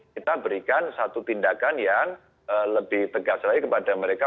kita berikan satu tindakan yang lebih tegas lagi kepada mereka